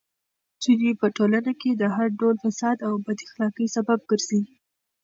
نجونې په ټولنه کې د هر ډول فساد او بد اخلاقۍ سبب ګرځي.